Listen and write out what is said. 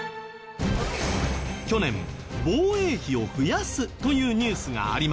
去年防衛費を増やすというニュースがありましたよね。